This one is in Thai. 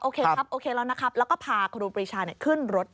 ครับโอเคแล้วนะครับแล้วก็พาครูปรีชาขึ้นรถ